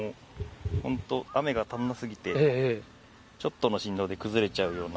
本当、雨が足りなすぎて、ちょっとの振動で崩れちゃうような。